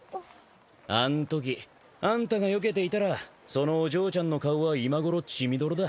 あんときあんたがよけていたらそのお嬢ちゃんの顔は今ごろ血みどろだ。